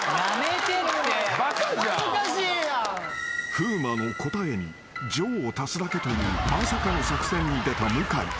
［風磨の答えに「上」を足すだけというまさかの作戦に出た向井］